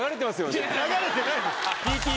流れてないです。